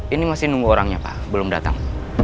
ini masih nunggu orangnya pak belum datang